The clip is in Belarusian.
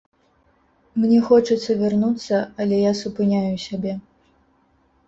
Мне хочацца вярнуцца, але я супыняю сябе.